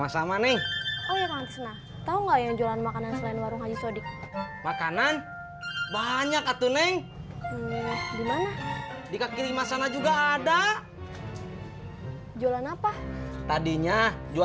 sampai jumpa di video selanjutnya